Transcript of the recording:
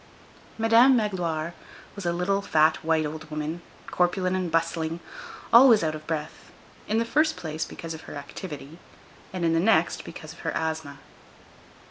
Madame Magloire was a little, fat, white old woman, corpulent and bustling; always out of breath,—in the first place, because of her activity, and in the next, because of her asthma.